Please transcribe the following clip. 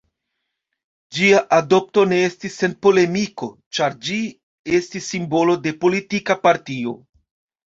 Ĝia adopto ne estis sen polemiko, ĉar ĝi estis simbolo de politika partio.